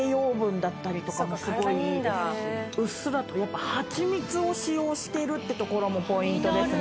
うっすらとハチミツを使用してるってところもポイントですね。